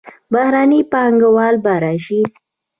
بهرنۍ پانګونه به راشي.